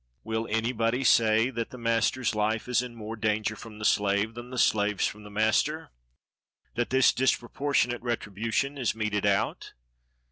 Will anybody say that the master's life is in more danger from the slave than the slave's from the master, that this disproportionate retribution is meted out?